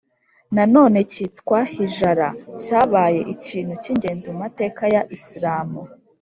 nanone cyitwa hijrah, cyabaye ikintu cy’ingenzi mu mateka ya isilamu,